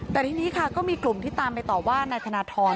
แต่ทีนี้ค่ะก็มีกลุ่มที่ตามไปต่อว่านายธนทร